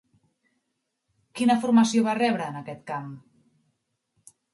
Quina formació va rebre en aquest camp?